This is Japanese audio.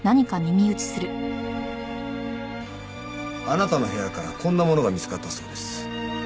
あなたの部屋からこんなものが見つかったそうです。